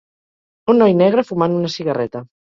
Un noi negre fumant una cigarreta